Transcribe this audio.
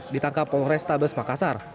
ditangkap polrestabes makassar